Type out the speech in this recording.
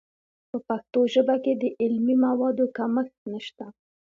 په پښتو ژبه کې د علمي موادو کمښت نشته.